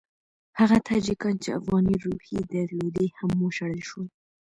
هغه تاجکان چې افغاني روحیې درلودې هم وشړل شول.